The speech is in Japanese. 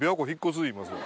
言いますわ。